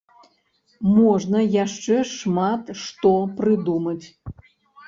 Можна яшчэ шмат што прыдумаць.